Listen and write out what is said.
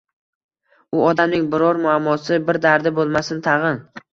U odamning biror muammosi, bir dardi bo`lmasin tag`in